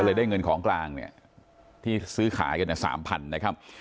ก็เลยได้เงินของกลางที่ซื้อขายกัน๓๐๐๐บาท